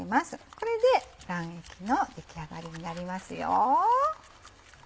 これで卵液の出来上がりになりますよ。